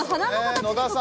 野田さん